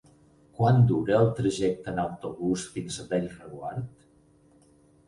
Quant dura el trajecte en autobús fins a Bellreguard?